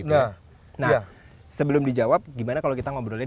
nah sebelum dijawab gimana kalau kita ngobrolin